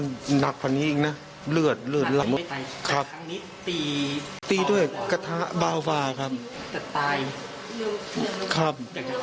อยากจะขอโทษอะไรไหม